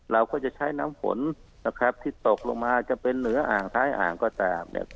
เราก็จะใช้น้ำฝนที่ตกลงมาจะเป็นเหนืออ่างท้ายอ่างก็ตาม